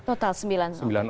total sembilan orang